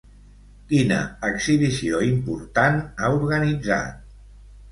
Quina exhibició important ha organitzat?